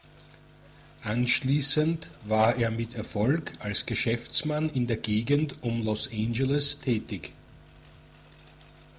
Anschließend war er mit Erfolg als Geschäftsmann in der Gegend um Los Angeles tätig.